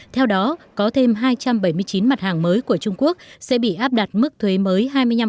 theo đó có thêm hai trăm bảy mươi chín mặt hàng mới của trung quốc sẽ bị áp đặt mức thuế mới hai mươi năm